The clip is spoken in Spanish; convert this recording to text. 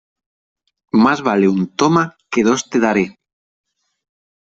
Más vale un "toma" que dos "te daré".